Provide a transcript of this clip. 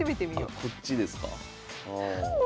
あらこっちですか。